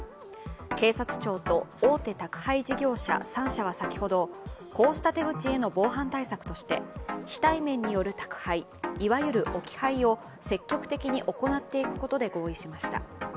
警察庁と大手宅配事業者３社は先ほど、こうした手口への防犯対策として非対面による宅配いわゆる置き配を積極的に行っていくことで合意しました。